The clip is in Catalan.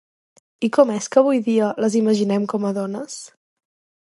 I com és que avui dia les imaginem com a dones?